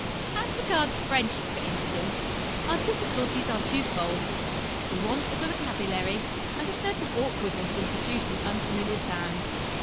As regards French, for instance, our difficulties are twofold the want of a vocabulary, and a certain awkwardness in producing unfamiliar sounds.